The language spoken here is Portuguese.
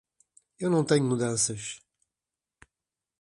Eu não tenho mudanças.